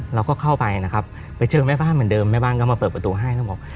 เราก็เข้าไปนะครับไปเจอแม่บ้านเหมือนเดิมแม่บ้านก็มาเปิดประตูให้แล้วบอก